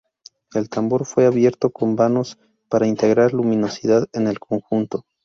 El tambor fue abierto con vanos para integrar luminosidad en el conjunto.